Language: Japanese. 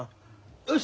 よし！